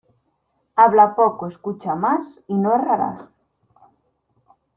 Habla poco, escucha más y no errarás.